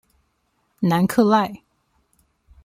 南克赖。